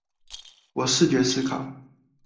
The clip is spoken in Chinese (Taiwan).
我視覺思考